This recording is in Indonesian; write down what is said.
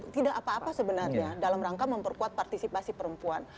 tidak apa apa sebenarnya dalam rangka memperkuat partisipasi perempuan